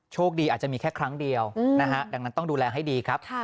อาจจะมีแค่ครั้งเดียวนะฮะดังนั้นต้องดูแลให้ดีครับ